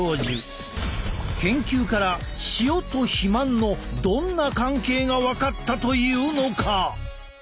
研究から塩と肥満のどんな関係が分かったというのか？